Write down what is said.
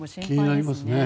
気になりますね。